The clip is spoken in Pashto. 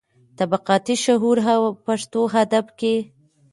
طبقاتي شعور او پښتو ادب کې.